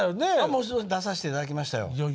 もちろん出させていただきましたよ。